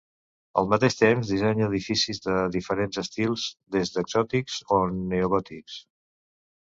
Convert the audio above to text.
Al mateix temps dissenya edificis de diferents estils des d'exòtics o neogòtics.